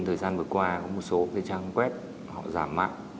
thời gian vừa qua có một số trang web giả mạo